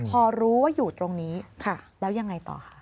พอรู้ว่าอยู่ตรงนี้แล้วยังไงต่อคะ